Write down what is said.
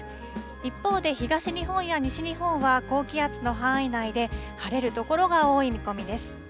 一方で東日本や西日本は高気圧の範囲内で、晴れる所が多い見込みです。